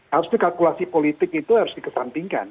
harus dikalkulasi politik itu harus dikesampingkan